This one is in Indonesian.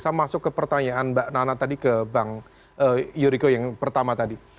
saya masuk ke pertanyaan mbak nana tadi ke bang yuriko yang pertama tadi